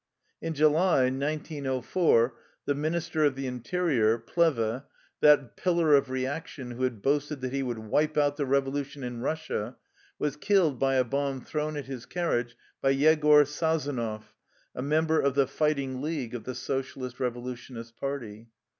In July, 1904, the minister of the interior, Plehve, that pillar of reaction who had boasted that he would " wipe out the revolution in Eus sia," was killed by a bomb thrown at his carriage by Yegor Sazonov, a member of the "Fighting League" of the Socialist Eevolutionists' Party.